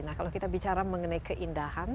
nah kalau kita bicara mengenai keindahan